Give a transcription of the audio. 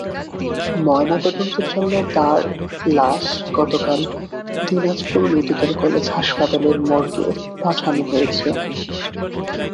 ময়নাতদন্তের জন্য তাঁর লাশ গতকাল দিনাজপুর মেডিকেল কলেজ হাসপাতালের মর্গে পাঠানো হয়েছে।